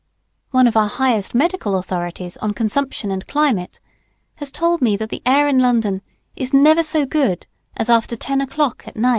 One of our highest medical authorities on Consumption and Climate has told me that the air in London is never so good as after ten o'clock at night.